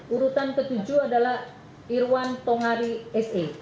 urutan ke tujuh adalah irwan tongari se